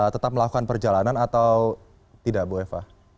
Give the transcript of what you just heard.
tetap melakukan perjalanan atau tidak bu eva